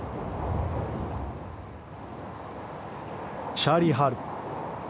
チャーリー・ハル。